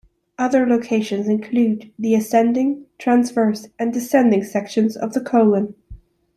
Other locations include the ascending, transverse, and descending sections of the colon.